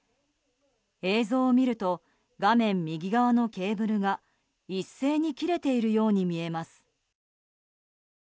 映像を見ると画面右側のケーブルが一斉に切れているように見えます。